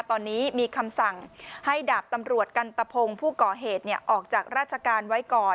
ตอนนี้มีคำสั่งให้ดาบตำรวจกันตะพงศ์ผู้ก่อเหตุออกจากราชการไว้ก่อน